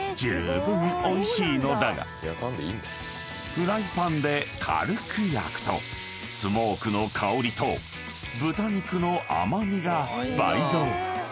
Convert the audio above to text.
［フライパンで軽く焼くとスモークの香りと豚肉の甘味が倍増］